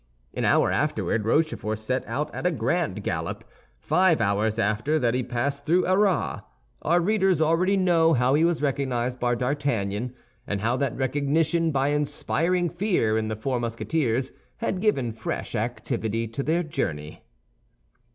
An hour afterward Rochefort set out at a grand gallop; five hours after that he passed through Arras. Our readers already know how he was recognized by D'Artagnan, and how that recognition by inspiring fear in the four Musketeers had given fresh activity to their journey.